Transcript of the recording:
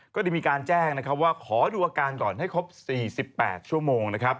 ก็ได้มีการแจ้งนะครับว่าขอดูอาการก่อนให้ครบ๔๘ชั่วโมงนะครับ